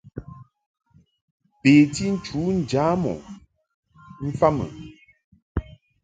Beti nchu njam ɔ mfa mɨ.